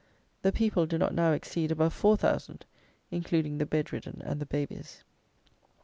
The people do not now exceed above four thousand, including the bedridden and the babies.